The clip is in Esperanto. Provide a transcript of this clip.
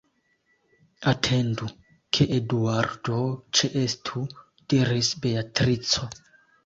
Atendu, ke Eduardo ĉeestu, diris Beatrico.